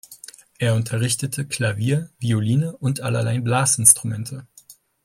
Er unterrichtete Klavier, Violine und allerlei Blasinstrumente.